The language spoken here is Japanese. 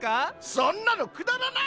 そんなのくだらない！